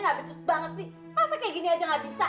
gak becut banget sih masa kayak gini aja gak bisa